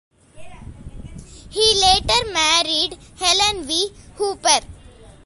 He later married Helen V. Hooper.